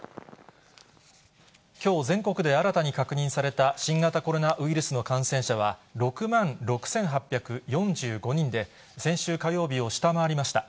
きょう全国で新たに確認された、新型コロナウイルスの感染者は６万６８４５人で、先週火曜日を下回りました。